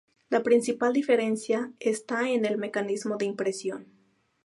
La principal diferencia está en el mecanismo de impresión.